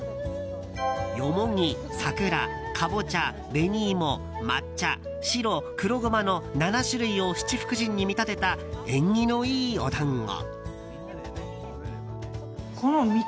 ヨモギ、桜、カボチャ紅イモ、抹茶、白・黒ゴマの７種類を七福神に見立てた縁起のいいお団子。